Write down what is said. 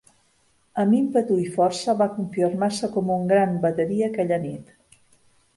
Amb ímpetu i força va confirmar-se com un gran bateria aquella nit.